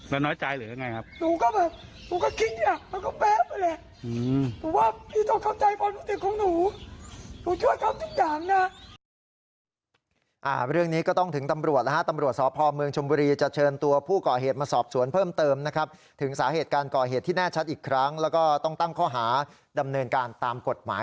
เธอเป็นของหนูหนูช่วยเขาทุกอย่างนะ